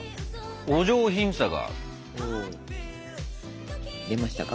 お上品さが。出ましたか？